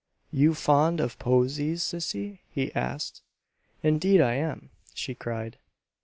"You fond of posies, sissy?" he asked. "Indeed I am!" she cried.